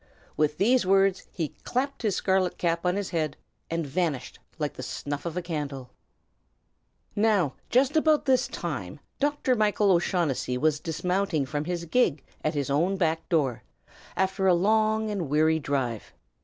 With these words he clapped his scarlet cap on his head, and vanished like the snuff of a candle. Now, just about this time Dr. Michael O'Shaughnessy was dismounting from his gig at his own back door, after a long and weary drive.